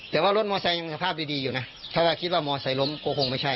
แต่ว่ารถมอไซค์ยังสภาพดีอยู่นะถ้าว่าคิดว่ามอไซค์ล้มก็คงไม่ใช่